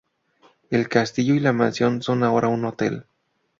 El castillo y la mansión son ahora un hotel.